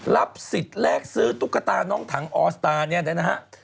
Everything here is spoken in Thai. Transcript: รับสิทธิ์แลกซื้อตุ๊กตาน้องถังออสตาร์เนี่ยนะฮะ